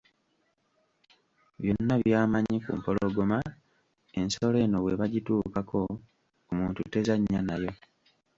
Byonna by'amanyi ku mpologoma, ensolo eno bwe bagituukako, omuntu tezannya nayo.